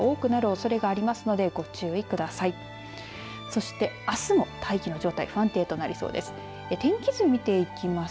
そして、あすも大気の状態不安定となりそうです。